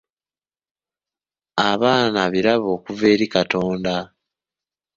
Abaana birabo okuva eri Katonda.